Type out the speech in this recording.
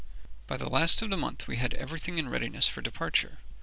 By the last of the month we had everything in readiness for departure.